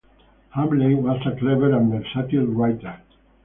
Hamley was a clever and versatile writer.